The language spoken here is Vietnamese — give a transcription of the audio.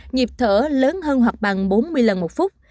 nhịp thở lớn hơn hoặc bằng hai mươi một lần một phút